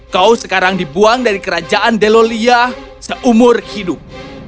kau sekarang dibuang dari kerajaan delolia seumur hidup